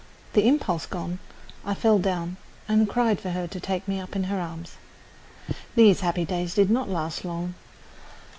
The impulse gone, I fell down and cried for her to take me up in her arms. These happy days did not last long.